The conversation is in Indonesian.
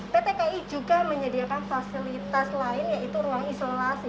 pt ki juga menyediakan fasilitas lain yaitu ruang isolasi